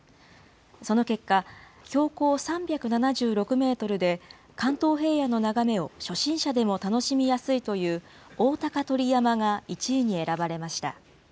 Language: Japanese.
その結果、標高３７６メートルで関東平野の眺めを初心者でも楽しみやすいという大高取山が１位に選ばれました。